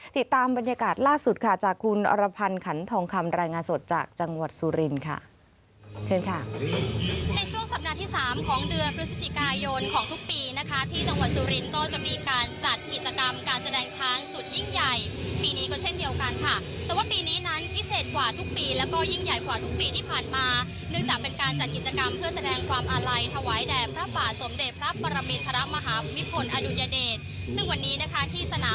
ติดตามบรรยากาศล่าสุดค่ะจากคุณอรพันธ์ขันทองคำรายงานสดจากจังหวัดสุรินค่ะ